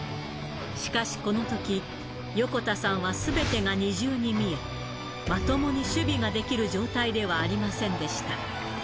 しかし、このとき、横田さんはすべてが二重に見え、まともに守備ができる状態ではありませんでした。